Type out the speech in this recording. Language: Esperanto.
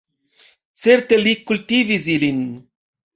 Certe li kultivis ilin.